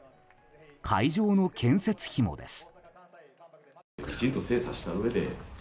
会場の建設費もです。